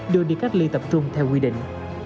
đưa đi cách ly tập trung theo quy định